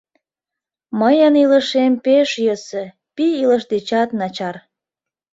Мыйын илышем пеш йӧсӧ, пий илыш дечат начар...